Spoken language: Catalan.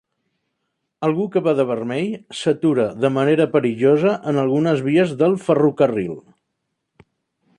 Algú que va de vermell s'atura de manera perillosa en algunes vies del ferrocarril